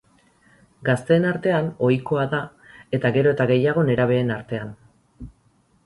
Gazteen artean ohikoa da eta gero eta gehiago nerabeen artean.